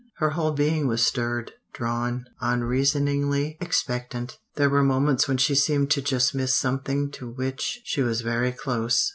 Her whole being was stirred drawn unreasoningly expectant. There were moments when she seemed to just miss something to which she was very close.